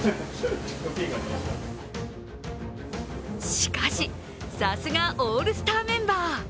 しかし、さすがオールスターメンバー。